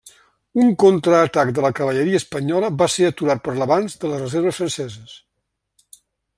Un contra-atac de la cavalleria espanyola va ser aturat per l'avanç de les reserves franceses.